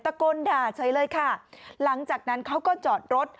โกนด่าเฉยเลยค่ะหลังจากนั้นเขาก็จอดรถ